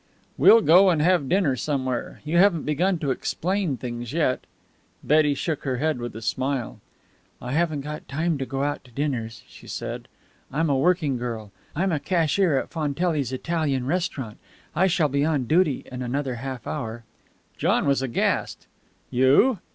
"We'll go and have dinner somewhere. You haven't begun to explain things yet." Betty shook her head with a smile. "I haven't got time to go out to dinners," she said. "I'm a working girl. I'm cashier at Fontelli's Italian Restaurant. I shall be on duty in another half hour." John was aghast. "You!"